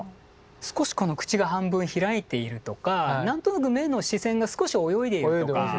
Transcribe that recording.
少しこの口が半分開いているとか何となく目の視線が少し泳いでいるとか。